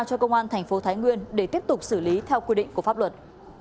tại khu vực xóm tám xã sơn cẩm thành phố thái nguyên để tiếp tục xử lý theo quy định của pháp luật